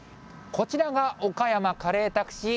こちらが、岡山カレータクシー。